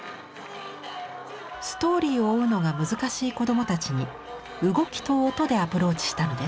ストーリーを追うのが難しい子どもたちに「動き」と「音」でアプローチしたのです。